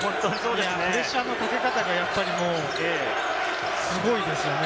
プレッシャーのかけ方がやっぱりすごいですね。